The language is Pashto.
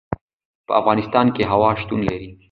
په افغانستان کې هوا شتون لري.